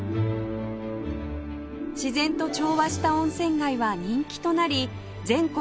自然と調和した温泉街は人気となり全国